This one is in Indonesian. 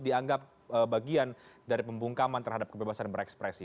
dianggap bagian dari pembungkaman terhadap kebebasan berekspresi